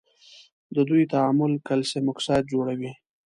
د دوی تعامل کلسیم اکساید جوړوي.